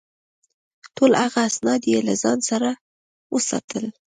ټول هغه اسناد یې له ځان سره وساتل.